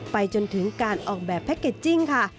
ไปจนถึงการออกแบบแพ็คเกจจิ้งค่ะ